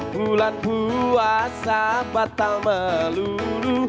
bulan puasa batal melulu